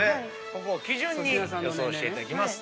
ここを基準に予想していただきます。